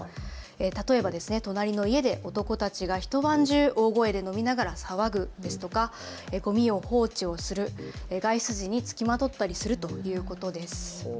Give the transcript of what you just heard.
例えば隣の家で男たちが一晩中大声で飲みながら騒ぐですとか、ごみを放置する、外出時につきまとったりするということです。